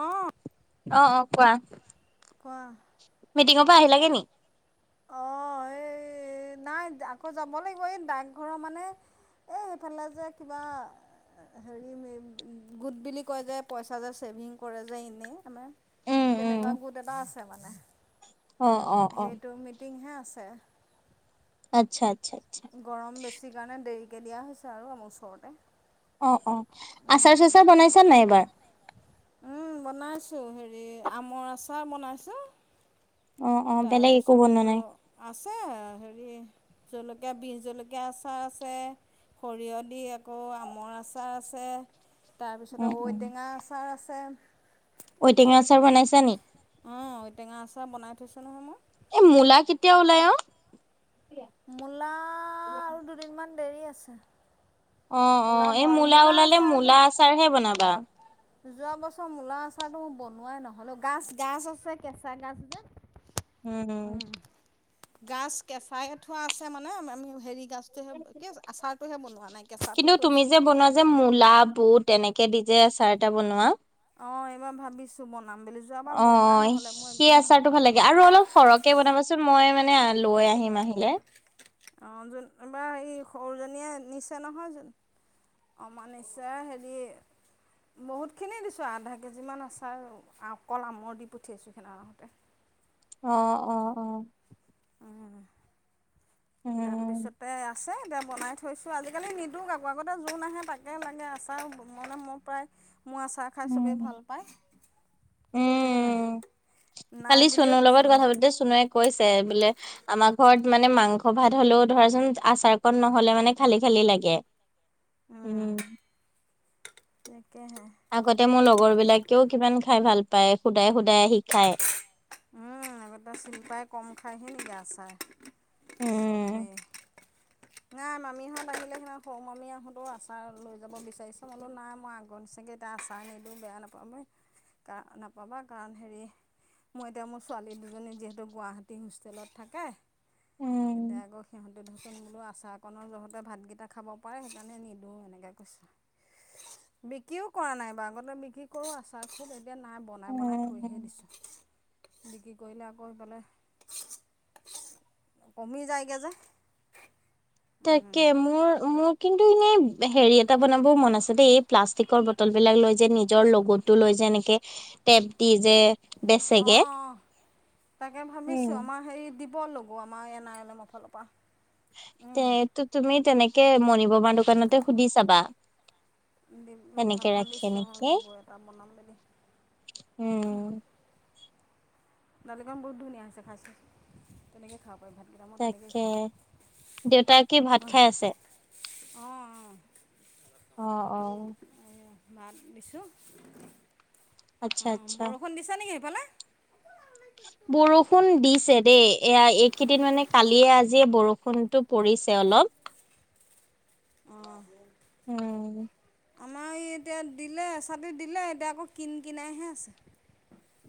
অ'। অ', অ', কোৱা। কোৱা। মিটিঙৰ পৰা আহিলাগে নি। অ', এই নাই আকৌ যাব লাগিব, এই ডাকঘৰৰ মানে এই সেইফালে যে কিবা হেৰি মে গোট বুলি কয় যে, পইচা যে ছেভিং কৰে যে ইনেই আমাৰ। উম উম তেনেকুৱা গোট এটা আছে মানে, অ অ অ সেইটো মিটিংহে আছে। আচ্ছা- আচ্ছা-আচ্ছা। গৰম বেছি কাৰণে দেৰিকে দিয়া হৈছে আৰু আমাৰ ওচৰতে। অ', অ', আচাৰ চাচাৰ বনাইছা নে এইবাৰ। উম, বনাইছোঁ হেৰি আমৰ আচাৰ বনাইছোঁ। অ অ বেলেগ একো বনোৱা তাৰপিছতেটো নাই আছে হেৰি জলকীয়া বিহ জলকীয়া আচাৰ আছে। সৰিয়হ দি আকৌ আমৰ আচাৰ আছে। তাৰপিছতে উম ঐটেঙা আচাৰ আছে। ঐটেঙা আচাৰ বনাইছা নি। অ', ঐটেঙা আচাৰ বনাই থৈছোঁ নহয় মই। এ মূলা কেতিয়া ওলাই অ'। মূলা আৰু দুদিনমান দেৰি আছে। অ', অ', ওলাব এই আৰু মূলা ওলালে আচাৰটো মূলা আচাৰহে বনাবা। যোৱা বছৰ মূলা আচাৰটো মোৰ বনোৱাই নহ'ল অ', গাছ- গাছ আছে কেঁচা গাছ যে। [inaudible] উম, গাছ কেচাই থোৱা আছে মানে আমি হেৰি গাছ [unintelligible] আচাৰটোহে বনোৱা নাই, কেঁচাতো কিন্তু তুমি যে থৈছোঁ। বনোৱা যে মূলা বুট তেনেকে দি যে আচাৰ এটা বনোৱা। অ', এইবাৰ ভাবিছোঁ বনাম বুলি, যোৱাবাৰ বনোৱাই নহ'লে মোৰ একদম সেইটো ভাল লাগে আৰু অলপ সৰহকে বনাবচোন মই মানে লৈ আহিম আহিলে। অ', যোন এইবাৰ এই সৰুজনীয়ে নিছে নহয় যোন অমা নিছে হেৰি বহুতখিনি দিছোঁ, আধা কেজিমান আচাৰ অকল আমৰ দি পঠিয়াইছোঁ সেইনাখন আহোঁতে। অ অ অ উম, উম তাৰপিছত তে আছে এতিয়া বনাই থৈছোঁ, আজিকালি নিদিওঁ কাকো আগতে যোন আহে তাকে লাগে আচাৰ মানে মোৰ প্ৰায় মোৰ আচাৰ খাই চবেই উম ভাল পায়, এয়া, উম, নাই কালি বুলিয়ে চুনুৰ কৈছোঁ মানে। [unintelligible] কৈছে বোলে আমাৰ ঘৰত মানে মাংস ভাত হ'লেও ধৰাচোন আচাৰকণ নহ'লে মানে খালি-খালি লাগে। উম, হম। তাকেহে। আগতে মোৰ লগৰ বিলাকেও কিমান খাই ভাল পায়। শুদাই শুদাই আহি খায়। উম আগতে চিল্পাই কম খায়হি নেকি আচাৰ? উম। চবেই নাই মামীহঁত আহিলে [unintelligible] সৰু মামী আহোঁতেও আচাৰ লৈ যাব বিচাৰিছে। ম বোলো নাই মই আগৰ নিচিনাকে এতিয়া আচাৰ নিদিওঁ বেয়া নাপাবি কা নাপাবা। কাৰণ হেৰি মই এতিয়া মোৰ ছোৱালী দুজনী যিহেতু গুৱাহাটী হোষ্টেলত থাকে, এতিয়া উম আকৌ সিহঁত এ ধচোন বোলো আচাৰ কণৰ জহতে ভাতগিটা খাব পাৰে সেইকাৰণে নিদো এনেকে কৈছো। বিক্ৰীও কৰা নাই এবাৰ। আগতে বিক্ৰী কৰো আচাৰ খুব। এতিয়া নাই, বনাই বনাই থৈহে দিছো। বিক্ৰী কৰিলে আকৌ সিফালে কমি যায়গে যে। তাকে, মোৰ মোৰ কিন্তু ইনে হেৰি এটা বনাবও মন আছে দেই। এই প্লাষ্টিকৰ বটলবিলাক লৈ যে নিজৰ লগ'টো লৈ যে এনেকে টেপ দি যে অ, অ বেচেগে। তাকে উম। ভাবিছোঁ আমাৰ হেই দিব লগ' আমাৰ এন আৰই এল এমৰ ফাল পা। তে টো তুমি তেনেকে মনিব মানুহ দোকানতে সুধি চাবা তেনেকে ৰাখে ভাবিছোঁ অঁ নেকি। লগো এটা বনাম বুলি উম। দালিকণ বহুত ধুনীয়া হৈছে খাই চাই [unintelligible] কেনেকে খাব [unintelligible] ভাতকিটা মই তাকে তেনেকৈয়ে দেউতাই কি ভাত খাই আছে [unintelligible] অ, অ। অ, অ। অ, ভাত দিছোঁ আচ্ছা অ, আচ্ছা বৰষুণ দিছে নেকি সেইফালে? বৰষুণ দিছে দেই। এয়া এইকিদিন মানে কালিয়ে আজিয়ে বৰষুণটো পৰিছে অলপ। অ। উম আমাৰ ই এতিয়া দিলে এচাটি দিলে, এতিয়া আকৌ কিন কিনাইহে আছে।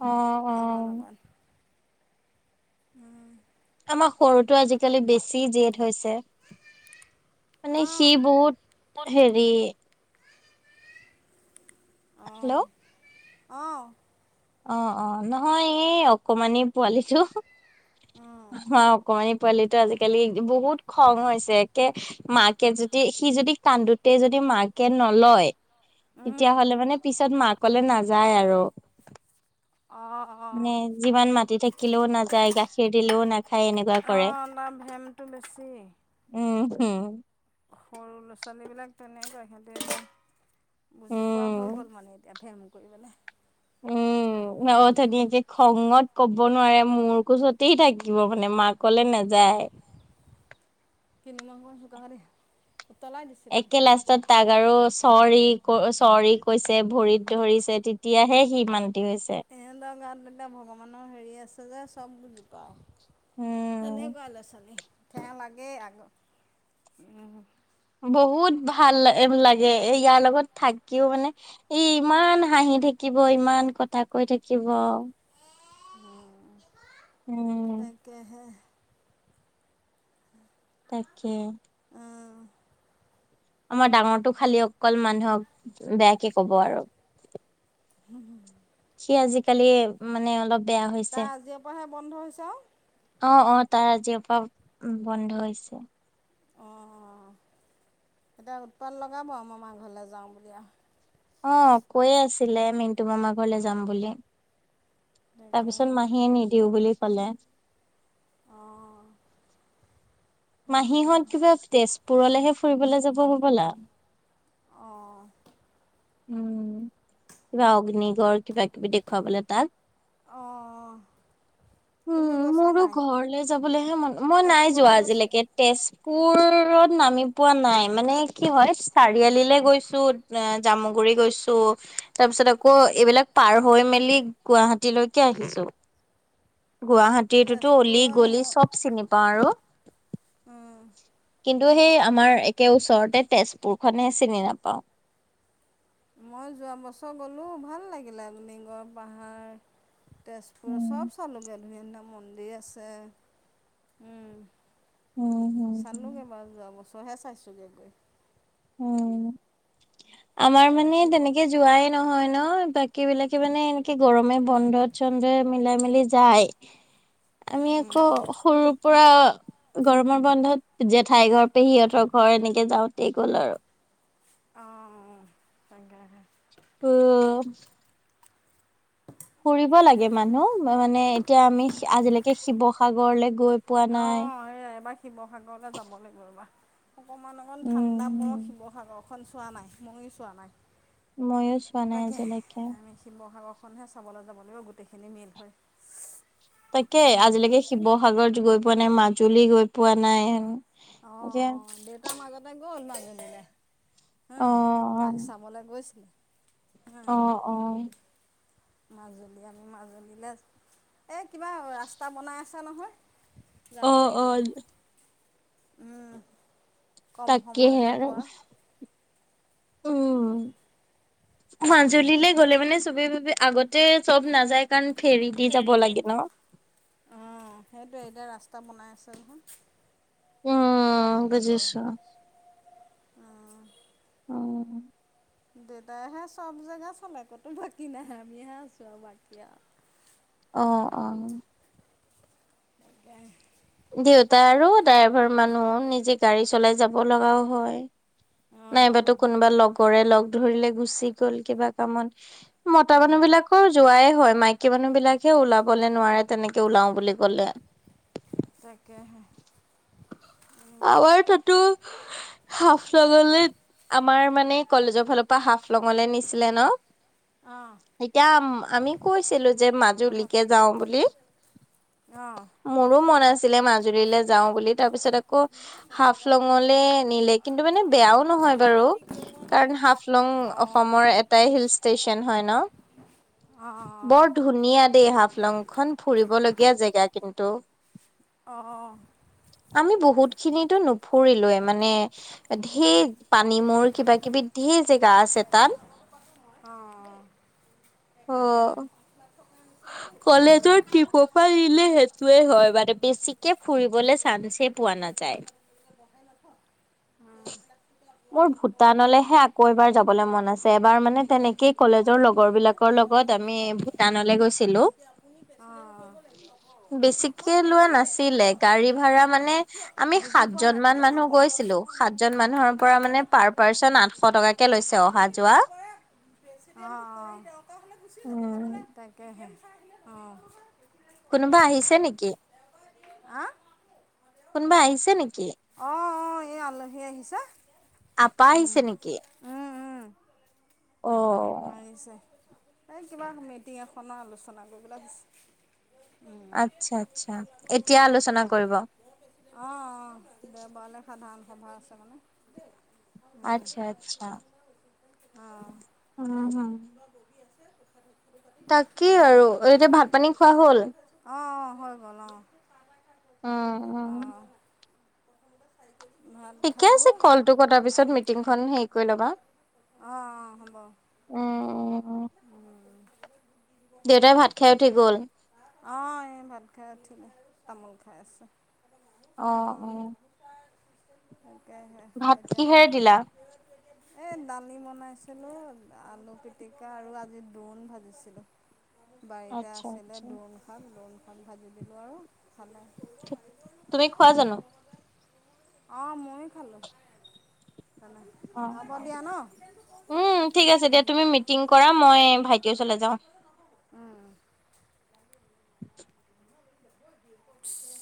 অ, অ। অকণ অকণ। উম। আমাৰ সৰুটো আজি-কালি বেছি জেদ হৈছে। মানে সি অঁ বহুত- হেৰি হেল্ল' অ। অ। অ, অ। নহয়, এই অকমানি পোৱালিটো, আমাৰ অকমানি পোৱালিটো আজি-কালি বহুত খং হৈছে। একে মাক কে যদি সি যদি কান্দোতেই যদি মাকে নলয় অঁ তেতিয়াহ'লে মানে পিছত মাকলে নাযায় আৰু। অ। মানে যিমান মাতি থাকিলেও নাযায়, গাখীৰ দিলেও নাখায় এনে অ ন ভেমটো বেছি। উ হু। খৰু ল-ছালীবিলাক তেনেকুৱাই। সিহঁতে [unintelligible] বুজি পোৱা হৈ উম গ'ল মানে এতিয়া ভেম কৰিবলে। উম, [unintelligible] খঙত ক'ব নোৱাৰে। মোৰ কোচতেই থাকিব মানে মাকলে নাযায়। তিনি মাহমান সকাহ দে। উতলাই দিছ একে লাষ্টত তাক আৰু চৰি কৈ চৰি কৈছে, ভৰিত ধৰিছে। তেতিয়াহে সি মান্তি হৈছে। হেহেতৰ গাত এতিয়া ভগৱানৰ হেৰি আছে যে চব বুজি পাওঁ। উম তেনেকুৱাই ল-ছালী। ঠেহ লাগেই আকৌ। উম। বহুত ভাল লাগে এ ইয়াৰ লগত থাকিও মানে। ই ইমান হাঁহি থাকিব, ইমান কথা কৈ থাকিব। উম, উম তাকেহে। [inaudible] তাকে। উম। আমাৰ ডাঙৰটো খালী অকল মানুহক বেয়াকে ক'ব আৰু। হুহু। সি আজি-কালি মানে অলপ বেয়া হৈছে তাৰ আজি অ পাহে বন্ধ হৈছে? অ, অ তাৰ আজিয় পা বন্ধ হৈছে। অ, এতিয়া উৎপাত লগাব আৰু মামা ঘৰলে যাওঁ বুলি আ। অ, কৈয়ে আছিলে মিণ্টু মামা ঘৰলে যাম বুলি। তাৰপিছত তাকেহে মাহীয়ে নিদিওঁ বুলি ক'লে। অ। মাহীহঁত কিবা তেজপুৰলেহে ফুৰিবলে যাব হ'বলা। অ। উম, কিবা অগ্নিগড় কিবা-কিবি দেখুৱাবলে তাক। অ। উম, মোৰো ঘৰলে যাবলেহে মন, মই নাই যোৱা তেজপুৰলৈ গৈছা আজিলেকে। তেজপুৰত নামি পোৱা নাই। মানে কি হয় চাৰিআলিলে গৈছো জামুগুৰি গৈছো, তাৰ পিছত আকৌ এইবিলাক পাৰ হৈ মেলি গুৱাহাটীলৈকে আহিছো। গুৱাহাটীৰটোতো তেজপুৰত অলি-গলি চব চিনি পাওঁ আৰু। উম। কিন্তু সেই আমাৰ একে ওচৰতে তেজপুৰখনে চিনি নাপাওঁ। মই যোৱা বছৰ গ'লোঁ ভাল লাগিলে। অগ্নিগড় পাহাৰ তেজপুৰত উম, চব চালোঁগে। ধুনীয়া ধুনীয়া মন্দিৰ আছে। উম। চালোগে হম, বাৰু। যোৱা বছৰহে চাইছোগে গৈ। উ, আমাৰ এইবাৰ মানে শিৱ অঁ তেনেকে যোৱাই নহয় ন। বাকীবিলাকে মানে এনেকে গৰমে বন্ধত চন্ধই মিলাই মিলি যায়। আমি আকৌ সৰুৰ পৰা গৰমৰ বন্ধত জেঠাই ঘৰত পেহীহঁতৰ ঘৰ এনেকে যাওঁতেই গ'ল আৰু। অ, তাকেহে। [unintelligible] ফুৰিব লাগে মানুহ। মানে এতিয়া আমি আজিলেকে শিৱসাগৰললে গৈ পোৱা অ, নাই। এইয়া এইবাৰ শিৱসাগৰলে যাব লাগিব ৰ'বা। অকমান অকণ ঠাণ্ডা পৰক শিৱসাগৰখন চোৱা নাই, ময়ো চোৱা নাই। ময়ো চোৱা নাই তাকে আজিলৈকে। আমিচ শিৱসাগৰখনহে চাবলে যাব লাগে অ গোটেইখিনি মিল হয়। তাকে, আজিলেকে শিৱসাগৰত গৈ পোৱা নাই, মাজুলী গৈ পোৱা নাই। অ', যে অ', দেউতা মাজতে গ'ল মাজুলীলে। অ', উম, অ', ৰাস চাবলে গৈছিলে। হা অ', অ'। মাজুলী আমি মাজুলীলে, এই কিবা ৰাস্তা বনাই আছে নহয়? অ', অ'। উম, কম তাকেহে সময়তে আৰু পোৱা। উম। মাজুলীলে গ'লে মানে চ'বে ভাবে, আগতে চ'ব নাযায় কাৰণ ফেৰী দি যাব লাগে ন? অ', সেইটোৱে, এতিয়া ৰাস্তা বনাই আছে নহয়? উম নমলীগড় বুজিছো। হৈ, অ'। উম। দেউতাইহে চ'ব জেগা চালে কতো বাকী নাই, আমিহে আছোঁ আৰু বাকী আৰু। অ', অ'। তাকে দেউতা আৰু ড্ৰাইভাৰ মানুহ, নিজে গাড়ী চলাই যাব লগাও হয়। অঁ নাইবাতো অঁ কোনোবা লগৰে লগ ধৰিলে গুচি গ'ল কিবা কামত। মতা মানুহ অঁ বিলাকো যোৱাই হয়, মাইক কি মানুহ বিলাক হে ওলাব নোৱাৰে তেনেকে ওলাও বুলি ক'লে। তাকেহে। আমাৰ তাতো হাফলঙলে আমাৰ মানে কলেজৰ ফালৰ পৰা হাফলঙলে নিছিলে ন? অ'? এতিয়াম আমি কৈছিলোঁ যে মাজুলীকে যাওঁ বুলি। অ'? মোৰো মন আছিলে মাজুলীলে যাওঁ বুলি তাৰপিছত আকৌ হাফলঙলে নিলে, কিন্তু মানে বেয়াও নহয় বাৰু। কাৰণ হাফ লং অঁ অসমৰ এটাই হিল ষ্টেচন হয় ন? অ', অ'। বৰ ধুনীয়া দেই হাফলংখন, ফুৰিবলগীয়া জেগা কিন্তু। অ', অ'। আমি বহুত খিনিতো নুফুৰিলোৱে মানে, ধেৰ পানী মূৰ কিবা কিবি ধেৰ জেগা আছে তাত। অ', অ', অ', তাকে। কলেজৰ ট্ৰিপৰ পৰা নিলে সেইটোৱে হয় মানে বেছিকে ফুৰিবলে চানছে পোৱা নাযায়। বহাই নাথ [unintelligible] মোৰ ভূটানলেহে আকৌ এবাৰ যাবলে মন আছে। এবাৰ মানে তেনেকেই কলেজৰ লগৰ বিলাকৰ লগত আমি ভূটানলে গৈ ছিলো, বেছিকে লোৱা নাছিলে গাড়ী ভাড়া মানে আমি বুজি পোৱা সাতজন নাই মান বুজাই মানুহ দিয়ক গৈছিলোঁ, সাতজন অঁ মানুহৰ পৰা মানে পাৰ পাৰ্চন আঠ এশ টকাকে লৈছে অহা যোৱা। অ', অ'। কৰী [unintelligible] গুচি যাব নহলে তাকেহে [unintelligible] চাই আহিলে। অ'। কোনোবা আহিছে নেকি? কোনোবা আহিছে নেকি অ', অ', এয়া আলহী আহিছে। আপা উম, আহিছে নেকি? উম, উম। অ'। এই কিবা মিটিং এখনৰ আলোচনা কৰিবলৈ আহিছে। আচ্ছা-আচ্ছা, এতিয়া আলোচনা কৰিব? অ', অ', দেওবাৰলৈ সাধাৰণ সভা আছে মানে। আচ্ছা-আচ্ছা। [unintelligible] ৰগী আছে প্ৰসাদত তাকেই আৰু। এতিয়া ভাত পানী খোৱা হ'ল? অ', অ', হল-হল অ'। অ', অ'। ত ভাল ঠিকে আছে কলটো কটাৰ পিছত মিটিংখন হেৰি কৰি ল'বা। অ', অ'। উম-উম-উম। উম। দেউতাই ভাত খাই উঠি গ'ল? অ', এই ভাত খাই উঠিলে, তামোল খাই আছে। অ', অ'। তকেহে, ভাত এতিয়া কিহেৰে আক [inaudible] এই দালি বনাইছিলোঁ, আলু পিটিকা আৰু আজি দ্ৰোণ ভাজিছিলোঁ। বাৰীতে আচ্ছা, আছিলে আচ্ছা, দ্ৰোণ শাক, দ্ৰোণ শাক ভাজি দিলোঁ আৰু। তুমি [unintelligible] খোৱা উম, জানো? অ', ময়ো খালোঁ। খানা অ', হ'ব অ', দিয়া ন? উম, ঠিক আছে দিয়া তুমি মিটিং কৰা মই ভাইটিৰ ওচৰলৈ যাওঁ। উম। [inaudible] ব ব প [unintelligible]